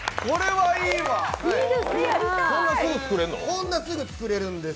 これはすぐ作れるの？